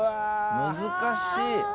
難しい。